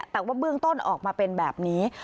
แต่ว่าเบื้องต้นออกมาเป็นแบบนี้